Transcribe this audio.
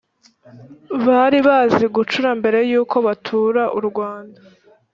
bari bazi gucura mbere yuko batura u Rwanda